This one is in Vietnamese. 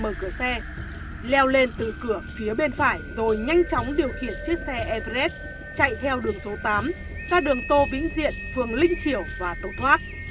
một chiếc camera mở cửa xe leo lên từ cửa phía bên phải rồi nhanh chóng điều khiển chiếc xe everest chạy theo đường số tám ra đường tô vĩnh diện phường linh triểu và tổ thoát